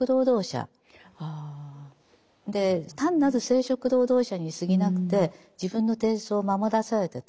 で単なる生殖労働者にすぎなくて自分の貞操を守らされてた。